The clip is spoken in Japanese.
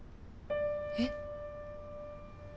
えっ？